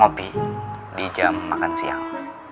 kopi di jam makan siang